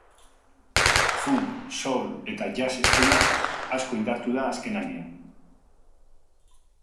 Funk, soul eta jazz eszena asko indartu da azkenaldian.